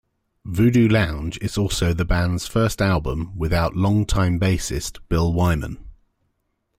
"Voodoo Lounge" is also the band's first album without long-time bassist Bill Wyman.